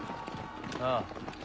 ああ。